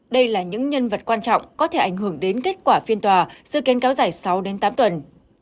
đây là những nhân vật quan trọng có thể ảnh hưởng đến kết quả phiên tòa dự kiến cáo giải sáu đến tám tuần